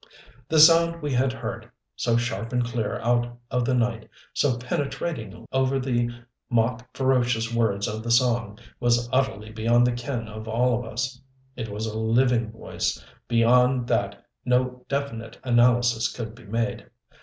The sound we had heard, so sharp and clear out of the night, so penetrating above the mock ferocious words of the song, was utterly beyond the ken of all of us. It was a living voice; beyond that no definite analysis could be made.